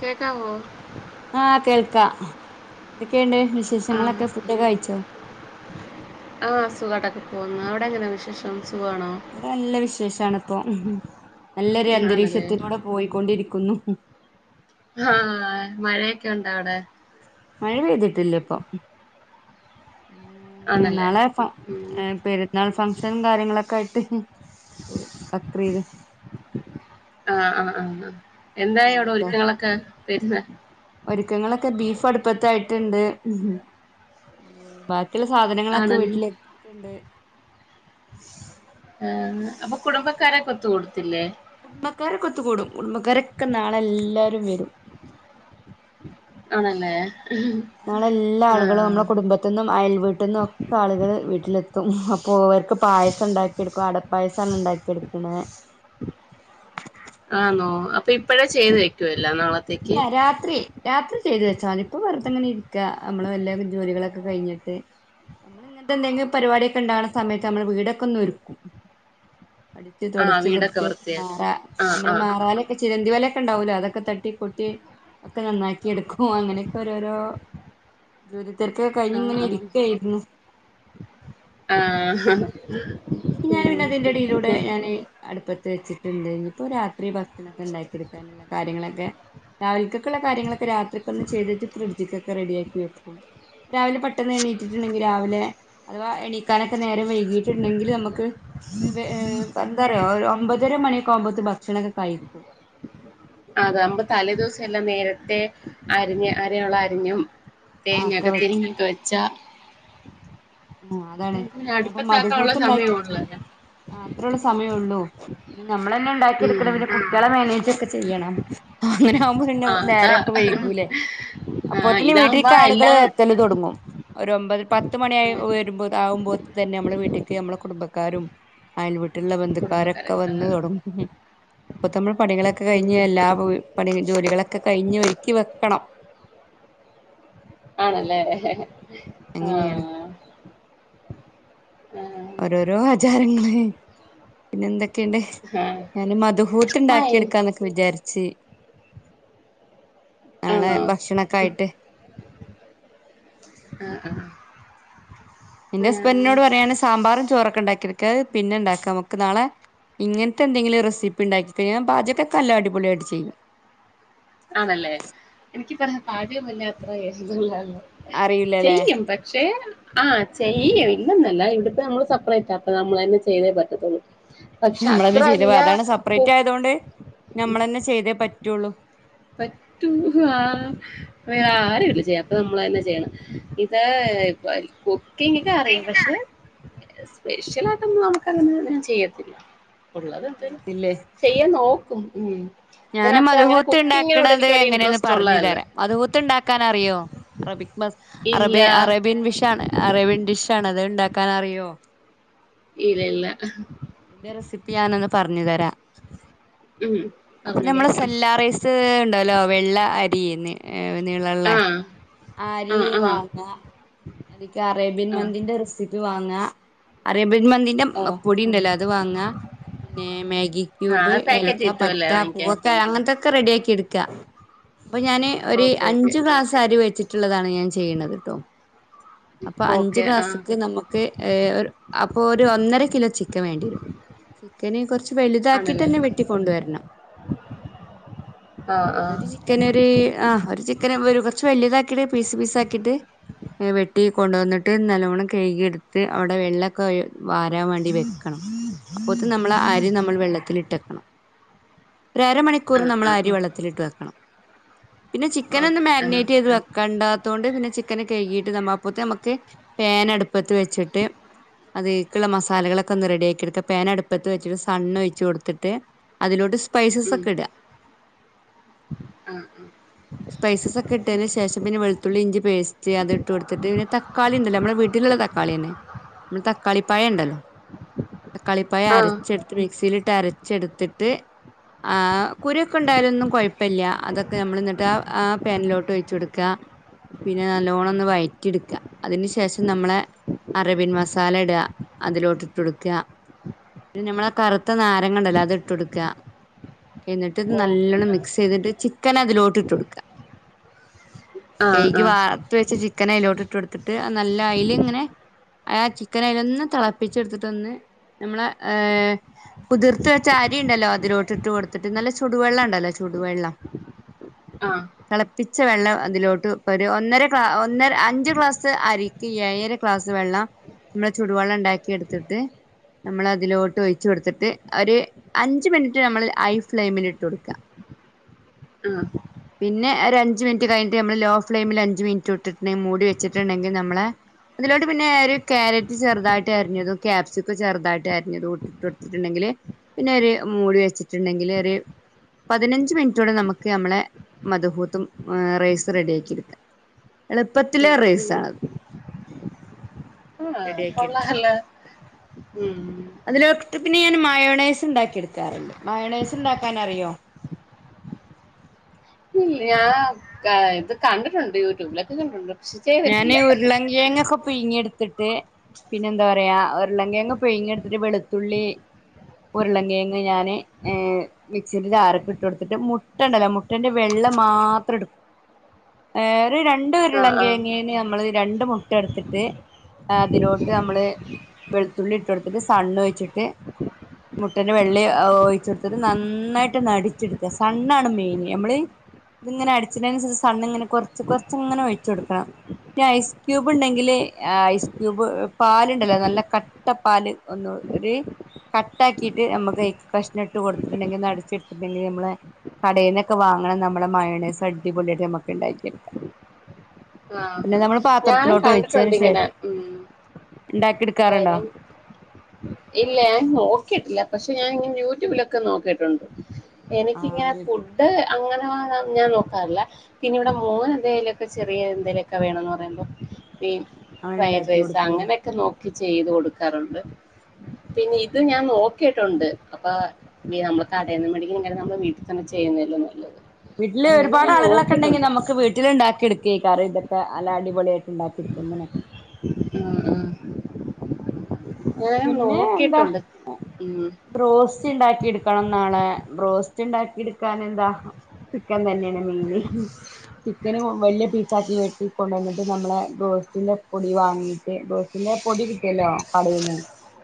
കേക്കാവോ ആഹ് കേൾക്കാം എതൊക്കെണ്ട് ആ വിശേഷങ്ങളൊക്കെ ഫുഡ് ഒക്കെ കഴിച്ചോ ആഹ് സുഖമായിട്ടൊക്കെ പോകുന്നു അവിടെ എങ്ങനാണ് വിശേഷം സുഖം ആണോ ഇവിടെ നല്ല വിശേഷാണിപ്പൊ നല്ലൊരു ആണല്ലേ അന്തരീക്ഷത്തിലൂടെ പോയിക്കൊണ്ടിരിക്കുന്നു ആഹ് മഴയൊക്കെ ഉണ്ട അവിടെ മഴ പെയ്തിട്ടില്ല ഇപ്പൊ പിന്ന ആണല്ലേ നാളെ ഉം. പെരുന്നാൾ ഫംഗ്ഷനും കാര്യങ്ങളൊക്കെ ആയിട്ട് ബക്രീദ് ആഹ് ആഹ് ആഹ് ആഹ് എന്തായി അവിടെ നാളെതാ ഒരുക്കങ്ങളൊക്കെ പെരുന്നാ ഒരുക്കങ്ങളൊക്കെ ബീഫ് അടുപ്പത്തായിട്ടുണ്ട് ബാക്കിള്ള സാധനങ്ങളൊക്കെ ആണല്ലോ വീട്ടിലെത്തിട്ട്ണ്ട് ആഹ് അപ്പൊ കുടുംബക്കാരൊക്കെ ഒത്ത് കൂടത്തില്ലേ കുടുംബക്കാരൊക്കൊ ഒത്ത് കൂടും കുടുംബക്കാരൊക്കെ നാളെ എല്ലാരും വരും ആണല്ലേ നാളെ എല്ലാ ആ ആളുകളും നമ്മളെ കുടുംബത്തിന്നും അയൽ വീട്ടിൽന്നും ഒക്കെ ആളുകൾ വീട്ടിലെത്തും അപ്പൊ ഇവർക്ക് പായസം ഉണ്ടാക്കി എടുക്കും അടപ്പായസമാണ് ഉണ്ടാക്കി എടുക്ക്ണ് ആന്നോ അപ്പൊ ഇപ്പഴേ ചെയ്ത് വെക്കുവോ എല്ലാം നാളെ ഇല്ല രാത്രി രാത്രി ചെയ്തു വെച്ചാ മതി ഇപ്പ വെറുതെങ്ങനെ ഇരിക്ക നമ്മള് വല്ല ജോലികളൊക്കെ കഴിഞ്ഞിട്ട് നമ്മൾ ഇങ്ങനത്തെ എന്തെങ്കി പരിപാടി ഒക്കെ ഉണ്ടാവ്ണ സമയത്ത് നമ്മൾ വീടൊക്കെ ഒന്ന് ഒരുക്കും അടിച്ച് ആ തുടച്ച് വീടൊക്കെ വൃത്തിയ വൃത്തിയാക്കി മാറാ ആ നമ്മള് ആ മാറാലെ ചിലന്തി വല ഒക്ക ഉണ്ടാവൂലോ അതൊക്കെ തട്ടി കൊട്ടി ഒക്കെ നന്നാക്കി എടുക്കും അങ്ങനെയൊക്കെ ഓരോരോ ജോലി തെരക്കൊക്കെ കഴിഞ്ഞ് ഇങ്ങനെ ഇരിക്കേരുന്നു ആഹ് ബീഫ് ഞാൻ പിന്നെ അതിന്റെ ഇടയിലൂടെ ഞാന് അടുപ്പത്ത് വെച്ചിട്ട്ണ്ടേഞ്ഞി ഇപ്പോരാത്രി ക്കെ ഉണ്ടാക്കി എടുക്കാനുള്ള കാര്യങ്ങളൊക്കെ രാവിലക്ക ക്കുള്ള കാര്യങ്ങളൊക്കെ രാത്രിക്കൊന്ന് ചെയ്തിട്ട് ഫ്രിഡ്ജ്ക്ക് ഒക്കെ റെഡിയാക്കിെവെക്കും രാവിലെ പെട്ടെന്ന് എണീറ്റിട്ടുണ്ടെങ്കിൽ രാവിലെ അഥവാ എണീക്കാനൊക്കെ നേരെം വൈകിട്ടുണ്ടെങ്കിൽ നമുക്ക് പിന്നെ വേം എന്താ അറിയോ ഒരു ഒമ്പതരമണിയൊക്കെ ആവുമ്പോഴ്ത്തിന് ഭക്ഷണൊക്കെ കഴിക്കും അതെ അതാമ്പോ തലേ ദിവസം എല്ലാം നേരത്തെ അരിഞ്ഞ് അറിയാൻ ഉള്ളത് അരിഞ്ഞും ആ ഒക്കെ തേങ്ങൊക്കെ വെക്കും തിരിങ്ങി ഒക്കെ വെച്ചാ ആഹ അതാണ് പിന്നെ ഞാന് ഇപ്പൊ അടുപ്പത്താക്കാനുള്ള മദ്ഹൂത്ത് ഉണ്ടാക്കി സമയം ഉള്ളല്ലോ അത്രഉള്ള സമയം ഉള്ളൂ ഇത് നമ്മൾ തന്നെ ഉണ്ടാക്കി ഉം എടുക്കണം പിന്നെ കുട്ട്യാളെ മാനേജ് ഒക്കെ ചെയ്യണം അങ്ങനെ ആമ്പോ പിന്നെ ആ അതാ നേരൊക്കെ വൈകൂലേ ആ അപ്പോത്തിന് ഇതാകുമ്പോ വീട്ടിക്ക് ആളുകൾ എല്ലാം എത്തല് തുടങ്ങും ഒരു ഒമ്പത് പത്ത് മണിയായി ആ വരുമ്പോ ആകുമ്പോത്തിന് തന്നെ നമ്മളെ വീട്ടിക്ക് നമ്മളെ കുടുംബക്കാരും അയൽ വീട്ടിലുള്ള ബന്ധുക്കാരൊക്കെ കുടുംബക്കാര് ആ വന്ന് തൊടങ്ങും ഇപ്പൊ തമ്മൾ പണികളൊക്കെ ഉം കഴിഞ്ഞ് എല്ലാ പണി ജോലികളൊക്കെ കഴിഞ്ഞ് ഒരുക്കി വെക്കണം ആണ്ല്ലേ അങ്ങനെയാണ് ആഹ് ആ ഓരോരോ ആചാരങ്ങള് പിന്നെ എന്തൊക്കെയുണ്ട് ആ ഞാന് മദ്ഹൂത്ത് ഉണ്ടാക്കി ആയി എടുക്കാ എന്നൊക്കെ വിചാരിച്ച് നാളെ ആണോ ഭക്ഷണൊക്കെ ആയിട്ട് ആ ആ എന്റെ ആ ഹസ്ബൻ്റിനോട് പറയാണ് സാമ്പറും ചോറൊക്കെ ഉണ്ടാക്കിരിക്കാത് പിന്നെ ഇണ്ടാക്കാം നമുക്ക് നാളെ ഇങ്ങൻത്തെന്തങ്കിലും റെസിപ്പിണ്ടാക്കി തരി ഞാൻ പാചകക്കെ നല്ലടിപൊളിയായിട്ട് ചെയ്യും ആണല്ലേ എനിക്ക് പറയാ പാഠ്യമല്ല [unintelligible] അറിയൂലല്ലേ ചെയ്യും പക്ഷെ ആഹ് ചെയ്യും ഇല്ലന്നല്ല ഇവിടെപ്പോ നമ്മള് സെപ്പറേറ്റ് അപ്പ നമ്മള തന്നെ ചെയ്തേ പറ്റത്തുള്ളൂ പക്ഷെ നമ്മള തന്നെ അത്ര ചെയ്ത പ അല്ല അതാണ് കു സെപ്പറേറ്റ് ആയതോണ്ട് നമ്മളന്നെ ചെയ്തേ പറ്റുള്ളൂ പറ്റൂ ആ അ ആരുല്ല ചെയ്യ അപ്പൊ നമ്മളന്നെ ചെയ്യണം ഇതാ [unintelligible] എനക്ക് അറിയും പക്ഷെ സ്പെഷ്യലായിട്ടൊന്നും നമുക്കങ്ങനെ ചെയ്യത്തില്ല ഉള്ളത് എന്തും ചെയ്യാൻ നോക്കും ഉം ഞാൻ അത്ര അങ്ങനെ മദുഹൂത്ത് കുക്കിങ്ങിനോട് ഉണ്ടാക്ക്ണത് എനിക്ക് വലിയ എങ്ങനെയന്ന് ഇൻട്രസ്റ്റ് പറഞ്ഞു ഉള്ളതല്ല തരാ മദ്ഹൂത്ത് ഉണ്ടാക്കാന അറിയോ അറബിക് മസാ അറേബ ഇല്ല അറേബിയൻ ഫിഷാണ് അറേബിയൻണ്ടിഷ് ആണ് അത്ണ്ടാക്കാൻ അറിയോ ഇല്ല ഇല്ല ഇന്റെ റെസിപ്പി ഞാനൊന്ന് പറഞ്ഞു തരാ ഉം അപ്പൊ പറഞ്ഞ നമ്മള കേക്കാം സെല്ലാ റൈസ് ഉണ്ടല്ലോ വെള്ള അരിന്ന് ഏ നീളള്ളേ ആഹ് ആ അരി ആഹ് ആഹ് വാങ്ങ അത്ക്ക് അറേബ്യൻ ആഹ് മന്തിന്റെ റെസിപ്പി വാങ്ങാ അറേബ്യൻ മന്തിന്റെ ഓ പൊടി ഉണ്ടല്ലോ അത് വാങ്ങ പിന്നെ മാഗി ആഹ് ക്യൂബ് അത് പാക്കറ്റ് ഏലക്ക പ കിട്ടുവല്ലേ വാങ്ങിക്കാൻ ട്ട അങ്ങൻത്തൊക്കെ റെഡി ആക്കി എടുക്ക അപ്പൊ ഞാന് ഒരു ഓക്കെ ഓക്കെ അഞ്ച് ഗ്ലാസ്--‌ സരി വെച്ചിട്ടുള്ളതാണ് ഞാൻ ചെയ്യ്ണത് ട്ടോ അപ്പൊ അഞ്ച് ഓക്കെ ആഹ് ക്ലാസ്സ്ക്ക് നമുക്ക് അപ്പൊ ഒരു ഒന്നര കിലോ ചിക്കൻ വേണ്ടിവരും ചിക്കന് കൊർച്ച് വലുതാക്കിട്ട് ആണല്ലേ തന്നെ വെട്ടിക്കൊണ്ടുവരണം [unintelligible] ആഹ് ഒരു ചിക്കന് ഒര് ആ ഒരു ചിക്കൻ അപ്പം ഒരു കൊർച്ച് വലിയതാക്കിട്ട് പീസ് പീസ് ആക്കീട്ട് വെട്ടി കൊണ്ടോന്നിട്ട് നല്ലോണം കഴുകിട്ത്ത് അവിടെ വെളെളാക്കെ ഒഴി വാരാൻ വേണ്ടി വെക്കണം അപ്പോത്ത് ന് നമ്മൾ അരി നമ്മൾ വെള്ളത്തിൽ ഇട്ടെക്കണം ഒര് അരമണിക്കൂർ ആഹ് നമ്മൾ ആഹ് അരി വെള്ളത്തിലിട്ട് വെക്കണം പിന്നെ ചിക്കൻ ഒന്ന് ഓക്കെ ആഹ് മാഗ്നേറ്റ് ചെയ്ത് വെ ക്കണ്ടാത്തോണ്ട് പിന്നെ ചിക്കന് കഴ്കീട്ട് നമ്മൾ അപ്പോത്ത്ന് നമ്മക്ക് പാൻ അടു പ്പത്ത് വെച്ചിട്ട് അത് ക്ക്ള്ള മസാലകളൊക്കെ ഒന്ന് റെഡിയാക്കി എടുക്ക പാൻ അടുപ്പത്ത് വെച്ചിട്ട് സണ് ഒഴിച്ച് കൊടുത്തിട്ട് അതിലോട്ട് ഉം സ്പൈസസൊക്കെ ഇട ആഹ് ആഹ് സ്പൈസസ് ഒക്കെ ഇട്ടേന് ശേഷം പിന്നെ വെളുത്തുള്ളി ഇഞ്ചി പേസ്റ്റ് അത് ഇട്ട് കൊടുത്തിട്ട് പിന്നെ തക്കാളി ഉണ്ടല്ലൊ നമ്മുടെ വീട്ടില്ള്ള ത ക്കാളി എന്നെ നമ്മളെ തക്കാളി പഴം ഉണ്ടല്ലോ തക്കാളിപ്പയം ആഹ് അരച്ചെടുത്ത് മിക്സിലിട്ട് അരച്ചെടുത്തിട്ട് ആ കുരൊക്കെ ഉണ്ടായാലൊന്നും കൊയ പ്പല്ല അതൊക്കെ നമ്മൾ എന്നിട്ട് ആ ആ പാനിലോട്ട് ഒഴിച്ചു കൊടുക്ക പിന്നെ നല്ലോണം ഒന്ന് വഴറ്റിട്ക്കാ അതിന് ശേഷം നമ്മളെ അറേബ്യൻ മസാല ഇട അതിലോട്ട് ഇട്ട് കൊടുക്ക പിന്നെ ഞമ്മളെ കറുത്ത നാരങ്ങണ്ടല്ലോ അത് ഇട്ട് കൊടുക്ക എന്നിട്ട് ഓക്കെ നല്ലൊണം ആഹ് മിക്സ് ചെയ്തിട്ട് ചിക്കൻ അതിലോട്ട് ഇട്ട് കൊടുക്ക ആഹ് കയ്കി ആഹ് വാർത്ത് വെച്ച ചിക്കനയ്ലോട്ടിട്ട് കൊടുത്തിട്ട് നല്ല അയിലിങ്ങനെ ആ ചിക്കൻ അയിലൊന്ന് തെളപ്പിച്ചെടുത്തിട്ടൊന്ന് നമ്മളെ ഏ കുതിർത്ത് വെച്ച അരി ഉണ്ടല്ലോ അതിലോട്ടിട്ട് കൊടുത്തിട്ട് നല്ല ചുടുവെള്ളം ഉണ്ടല്ലോ ചുടുവെള്ളം ആഹ് തെളപ്പിച്ച വെള്ളം അതിലോട്ട് ഒരു ഒന്നര ഗ്ലാ ഒന്നര അഞ്ച് ഗ്ലാസ് അരി ഈ അയ്യര ക്ലാസ് വെള്ളം മ്മള് ചുടുവെള്ളം ണ്ടാക്കി എടുത്തിട്ട് നമ്മളതിലോട്ട് ഒയിച്ചു കൊടുത്തിട്ട് ഒരു അഞ്ച് മിനി റ്റ് മ്മള് ഹൈ ഫ്ലെയിമില് ഇട്ട് കൊടുക്ക ആഹ് പിന്നെ ഒരു അഞ്ച് മിനിറ്റ് കയിഞ്ട്ട് നമ്മള് ലോ ഫ്ളയിമില് അഞ്ച് മിനിറ്റും ഇട്ടിട്ട് ങ്നെ മൂടി വെച്ചിട്ടുണ്ടെങ്കി നമ്മള് അതിലോട്ട് പിന്നെ ഒരു കാരറ്റ് ചെറുതായിട്ട് അരിഞ്ഞതും ക്യാപ്സിക്കോ ചെറുതായിട്ട് അരിഞ്ഞതും ഇട്ട് ഇട്ട് കൊടുത്തിട്ടുണ്ടെങ്കില് പിന്നെ ഒര് മൂടി വെച്ചിട്ടുണ്ടെങ്കില് ഒര് പതിനഞ്ച് മിനിറ്റ് കൊണ്ട് നമുക്ക് നമ്മളെ മധുഹൂത്തും റൈസ് റെഡിയാക്കി എടുക്ക എളുപ്പത്തിലെ ഉം റൈസാണത് ആഹ് റെഡിയാക്കി എടുക്കാം കൊള്ളാല്ലൊ ഉം അതിലോട്ട് പിന്നെ ഞാൻ മയോണെസ് ഉണ്ടാക്കി എടുക്കാറുണ്ട് മയോണൈസ് ഉണ്ടാക്കാനറിയോ ഇല്ല ഞാൻ ഇത് കണ്ടിട്ടുണ്ട് യൂട്യൂബിലൊക്കെ കണ്ടിട്ടുണ്ട് പക്ഷെ ഞാന് ചെയ്തിട്ടില്ല ഉരുളങ്കിയങ്ങൊക്കെ പിയുങ്ങി എടുത്തിട്ട് പിന്നെന്താ പറയാ ഉരുളങ്കിയങ്ങ് പിയങ്ങി എടുത്തിട്ട് വെളുത്തുള്ളി ഉരുളങ്കിയങ്ങ് ഞാന് ഏ മിക്സിൻ്റെ ജാറ്ക്ക് ഇട്ട് കൊടുത്തിട്ട് മുട്ട ണ്ടല്ലോ മുട്ടന്റെ വെള്ള മാത്രം എടുക് ഏ ഒരു രണ്ട് ആഹ് ആഹ് ഉരുളങ്കിയങ്ങേന് നമ്മള് രണ്ട് മുട്ട എടുത്തിട്ട് അതിലോട്ട് മ്മള് വെളുത്തുള്ളി ഇട്ട് കൊടുത്തിട്ട് സണ്ണ് ഒയിച്ചിട്ട് മുട്ടൻ്റെ വെള്ളേം ഒഴിച്ചൊട്ത്ത്ട്ട് നന്നായിട്ട് ഒന്നടിച്ച് എടുക്ക സണ്ണാണ് മെയിന് ഞമ്മള് ഇത്ങ്ങനെ അടിച്ച്ണയ്ന് അനുസരിച്ച് സണ്ണിങ്ങന കൊറച്ച് കൊറച്ച്ങ്ങനെ ഒഴിച്ച് കൊടു ക്ക ഈ ഐസ് ക്യൂബ് ഉണ്ടെങ്കില് ഐസ് ക്യൂബ് പാലുണ്ടല്ലോ നല്ല ക ട്ടപ്പാല് ഒന്ന് ഒര് കട്ടാക്കിയിട്ട് ഞമ്മക്ക് അയിക്ക് കഷ്ണം ഇട്ട് കൊടുത്തിട്ടുണ്ടെങ്കി ഒന്ന് അട്ച്ച്ത്തിട്ട്ണ്ടെങ്കി നമ്മളെ കടേന്നൊക്കെ വാങ്ങ്ണ നമ്മളെ മയോണൈസ് അടിപൊളിയായിട്ട് ഞമ്മക്ക് ഉണ്ടാക്കിയെടുക്ക ആഹ് ഞാനും പാത്രത്തിലോട്ട് കണ്ടിട്ടുണ്ട് ഒഴിച്ചതിന് ഇങ്ങനെ ശേഷം ഉം ഉണ്ടാക്കി എടുക്കാറുണ്ടോ കാര്യം ഇല്ല ഞാൻ നോക്കീട്ടില്ല പക്ഷെ ഞാൻ ഇങ്ങനെ യൂട്യൂബിലൊക്കെ നോക്കിയിട്ടുണ്ട് എനിക്കിങ്ങനെ ആഹ് ഫുഡ് അങ്ങനെ വാ നാ ഞാൻ നോക്കാറില്ല. പിന്നെ ഇവിടെ മോനെന്തേലൊക്കെ ചെറിയ എന്തേലൊക്കെ വേണന്ന് പറയുമ്പോ ഈ അങ്ങനെ ഫ്രൈഡ് ഉണ്ടാക്കി റൈസ് കൊടുക്കൂലേ അങ്ങനൊക്കെ നോക്കി ചെയ്ത് കൊടുക്കാറ്ണ്ട്. പിന്നെ ഇത് ഞാൻ നോക്കിട്ടുണ്ട് അപ്പൊ ഈ നമ്മൾ കടേന്ന് മേടിക്കുംകാര്യം നമ്മള് വീട്ടിത്തന്നെ ചെയ്യുന്നയല്യോ നല്ലത്. വീട്ടില് അങ്ങനെ ഒരുപാട് ഞാൻ ആളുകളൊക്കെ ഇണ്ടെങ്കി നോക്കിയിട്ടുണ്ട് നമുക്ക് വീട്ടിൽ ഇണ്ടാക്കിയെടുക് ഈക്കറി ഇതൊക്കെ അല്ല അടിപൊളിയായിട്ട് ഉണ്ടാക്കി എടുക്ക ഇങ്ങനെ ഉം ഉം ഞാനും പിന്നെ എന്താ നോക്കിട്ടുണ്ട് ഉം ബ്രോസ്റ്റ് ഇണ്ടാക്കി ഇട്ക്കണം നാളെ ബ്രോസ്റ്റ് ഇണ്ടാക്കിഇടുക്കാൻ എന്താ ചിക്കൻ തന്നെയാണ് മെയിന് ചിക്കന് വലിയ പീസാക്കി വെട്ടി കൊണ്ടന്നിട്ട് നമ്മളെ ബ്രോസ്റ്റിന്റെപൊടി വാങ്ങിയിട്ട് ബ്രോസ്റ്റ പിന്നെ പൊടി കിട്ടിയല്ലോ കടേന്ന്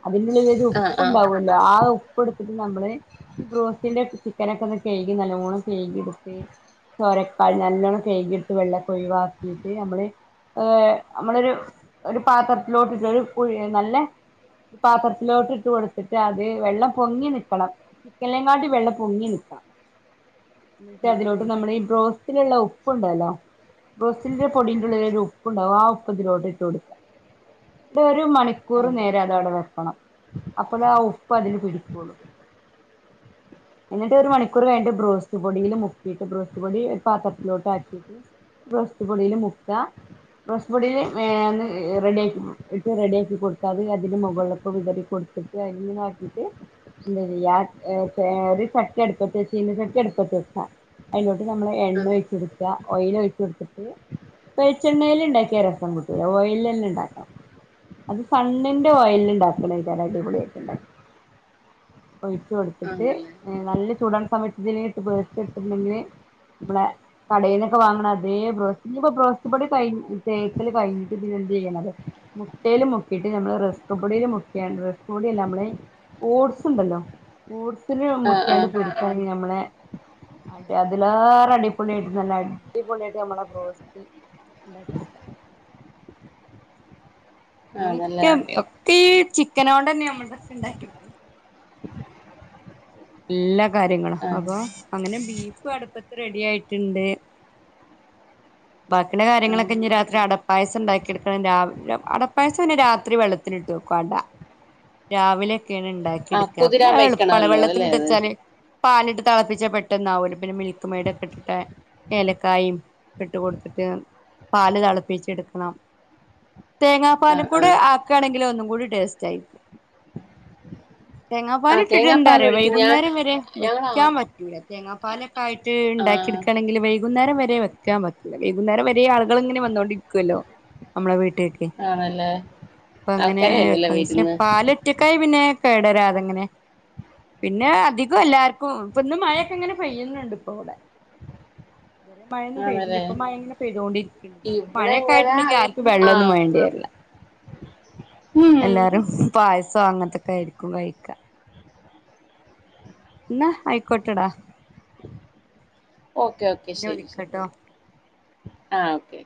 അതിന്റുള്ളിലൊരു ആ ഉപ്പ് ആ ഉണ്ടാവല്ലോ ആ ഉപ്പ് ഇടുത്തിട്ട് നമ്മള് ഈ ബ്രോസ്‌റ്റിന്റെ ചിക്കനൊക്കെ ഒന്ന് കയ്കി നല്ലോണം കയ്കി എടുത്ത് ചോരക്കെ നല്ലോണം കയ്കീട്ട് വെള്ളക്കെ ഒയിവാക്കീട്ട് ഞമ്മള് ഏഹ് നമ്മളൊരു ഒരു പാത്രത്തിലോട്ടിട്ടൊരു കുഴി നല്ല പാത്രത്തിലോട്ടിട്ട് കൊടുത്തിട്ട് അത് വെള്ളം പൊങ്ങി നിക്കണം. ചിക്കൻലേങ്ങാട്ടി വെള്ളം പൊങ്ങി നിക്ക. എന്നിട്ട് ആ അതിലോട്ട് നമ്മുടെ ഈ ബ്രോസ്സിലുള്ള ഉപ്പ് ഉണ്ടല്ലോ ബ്രോസ്റ്റില്ന്റെ പൊടിന്റെള്ലെരു ഉപ്പ് ഉണ്ടാവും ആഹ് ഉപ്പ്തിലോട്ട് ഇട്ടു കൊടുക്കാം. ഇതരു ആ മണിക്കൂർ നേരം അതവടെ വെക്ക പണം അപ്പോല ആഹ് ഉപ്പ് അതില് പിടക്കുള്ളൂ. എന്നിട്ട് ഒരു മണിക്കൂർ കഴിഞ്ഞട്ട് ബ്രോസ്റ്റ് പൊടിയിൽ മുക്കിയിട്ട് ബ്രോസ്റ്റ് പൊടി ഒരു പാത്രത്തിലോട്ട് ആക്കിയിട്ട് ബ്രോസ്റ്റ് പൊടിയില് മുക്കാ ബ്രോസ്റ്റ് പൊടിയില് [unintelligible] റെഡിയാക്കി ഇ ഇട്ട് റെഡിയാക്കി കൊടുത്താ അത് അതിന് മുകള് ക വിതറി കൊടുത്ത്ട്ട് അങ്ങന ആക്കീട്ട് ന്ത ചെയ്യാ ഏ ഏ ഒരു ചട്ടി അട്പ്പത്ത് വെച്ചീനച്ചട്ടി അടുപ്പത്ത് വെച്ച അയ്ലോട്ട് നമ്മള് ആ എണ്ണ വെച്ച കൊടുക്കുക ഓയിയില് ഒയ്ച്ച് കൊടുത്തിട്ട് വെച്ചെണ്ണയിൽ ഇണ്ടാക്കിയാ രസം കൂട്ടൂല ഓയിലിലെന്നെ ഇണ്ടാക്കണം. അത് സണ്ണിന്റെ ഓയില് ഇണ്ടാക്ണേകാരം അടിപൊളിയായ്റ്റ് ഇണ്ടാ ഒഴിച്ചു കൊടുത്ത്ട്ട് ആണല്ലേ ഹ്ഏ നല്ല ചൂടാണ സമയത്ത്ല് [unintelligible] ഇട്ത്ത്ട്ട് ല്ലങ്കില് ബളെ കടയിൽക്കെ വാങ്ങ്ണ അതേ ബ്രോസ്റ്റ് ഇനിപ്പോ ബ്രോസ്റ്റ് പൊടി കഴി തേക്കൽ കഴിഞ്ഞിട്ട് പിന്നെ എന്തുചെയ്യണത് മുട്ടേൽ മുക്കീട്ട് നമ്മള് റസക്പൊടിയിൽ മു എൻ റസ്‌ക് പെടിയില്ലമ്മളയ് ഓട്സ് ഇണ്ടല്ലോ ഓട്സില് ആ ആ ഞമ്മക്ക്ക്കാണ്ട് പൊ ആഞ്ഞി നമ്മളെ അടി അതിലേറെ അടിപൊളിയായിട്ട് നല്ല അടിപൊളിയായിട്ട് ഞമ്മളെബ്രോസ്റ്റ് [unintelligible] ആണല്ലേ അങ്ങനെയൊക്കെ ഒക്കെ ഈ ചിക്കനൊണ്ടന്നെ നമ്മൾക്കെ ഇണ്ടാകീക്ക്ണേ എല്ലാ കാര്യങ്ങളും ആഹ് അപ്പൊ അങ്ങനെ ബീഫോം അടുപ്പത്ത് റെഡി ആയിട്ട്ണ്ട്. ബാക്കിയുള്ള ആഹ് കാര്യങ്ങളൊക്കെ ഇഞി രാത്രി അടപ്പായസം ഇണ്ടാക്കിയെടുക്കണം രാവ് രാവ് അടപ്പായസം പിന്നെ രാത്രി വെള്ളത്തിൽ ഇട്ട് തുകൊണ്ട രാവിലെ കേണ് ഇണ്ടാക്കി ആഹ് ഇട്ക്കാരാ പിന്നെ കുതിരാൻ എള്‌പ്പാണ് വെക്കണമല്ലോ അതല്ലേ വെള്ളത്തിട്ട് അത് വെച്ചാല് പാല് ഇട്ട് തെളപ്പിച്ച് പെട്ടെന്നാവൊര് പിന്നെ മിൽക്ക് മെയ്ഡ് ഒക്കെ ഇട്ടിട്ട് ഏഹ് ഏലക്കായിം ഇട്ട്കൊടുത്തിട്ട് പാല് തെളപ്പിച്ച് എട്ക്കണം തേങ്ങാ പാലും കൂടെ ആഹ് കേണെങ്കില് ഒന്നുകൂടി ടേസ്റ്റായി തേങ്ങാപ്പാല് ആഹ് ഇട്ടിട്ട് തേങ്ങാപ്പാൽ എന്താറിയോ ഒഴിക്കുന്ന ഞാൻ വൈകുന്നേരം വരെ ഞങ്ങൾ വെക്കാൻ പറ്റ റ്റൂല തേങ്ങാപ്പാലൊക്കെ ആയിറ്റ് ആഹ് ണ്ടാക്കിട്കാണങ്കില് വൈകുന്നേരം വരെ വക്ക ക്കാൻ പറ്റൂല വൈകുന്നേരം വരേ ആളുകൾ ഇങ്ങനെ വന്നോണ്ടിരിക്കുവല്ലോ നമ്മളെ വീട്ടിക് ആണല്ലേ പ്പങ്ങനേ ആൾക്കാർ വരുമല്ലേ കൽസ്യ വിരുന്ന് പാല് [unintelligible] പിന്നെ കേടരാതെങ്ങനെ പിന്നെ അധികം എല്ലാർക്കും ഇപ്പൊ ഇന്ന് മഴയൊക്കെ ഇങ്ങനെ പെയ്യുന്നുണ്ട് ഇപ്പൊ ഇവിടെ മഴയൊന്നും പെയ്തില്ല ആണല്ലേ ഇപ്പ മഴങ്ങനെ പെയ്തോണ്ടിരിക്കണ്ട് ഇവിടെ മഴയൊക്കെ ഇങ്ങനെ ആയിട്ടുണ്ടെങ്കി ആര്ക്കും വെള്ളൊന്നും ആഹ് വേണ്ടി വരില്ല ഉം എല്ലാരും പായസം അങ്ങനത്തൊക്കെ ആയിരിക്കും കഴിക്ക എന്ന ആയിക്കോട്ടടാ ഓക്കെ ഓക്കെ പിന്നെ ശരി ശരി വിളിക്കാട്ടോ ആഹ് ഓക്കെ